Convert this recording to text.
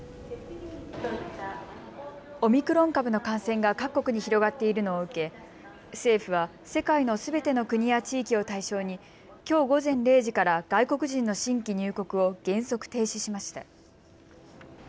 オミクロン株の感染が各国に広がっているのを受け政府は世界のすべての国や地域を対象にきょう午前０時から外国人の新規入国を原則停止しました。